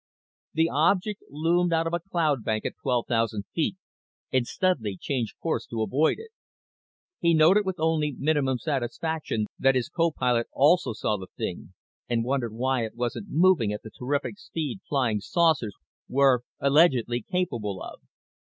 The object loomed out of a cloudbank at twelve thousand feet and Studley changed course to avoid it. He noted with only minimum satisfaction that his co pilot also saw the thing and wondered why it wasn't moving at the terrific speed flying saucers were allegedly capable of.